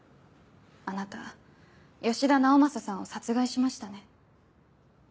あなた吉田直政さんを殺害しましたね？